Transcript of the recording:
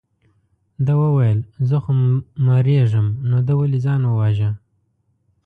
ده وویل زه خو مرېږم نو ده ولې ځان وواژه.